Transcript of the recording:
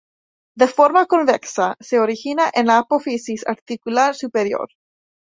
De forma convexa, se origina en la apófisis articular superior.